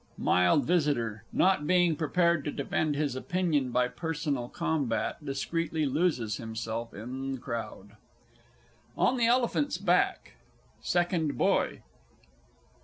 [MILD V. not being prepared to defend his opinion by personal combat, discreetly loses himself in crowd. ON THE ELEPHANT'S BACK. SECOND BOY.